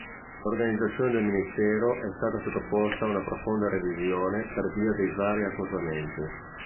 L'organizzazione del Ministero è stata sottoposta a profonda revisione per via dei vari accorpamenti.